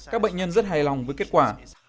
các bệnh nhân rất hài lòng với kết quả